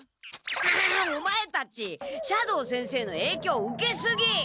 オマエたち斜堂先生のえいきょう受けすぎ！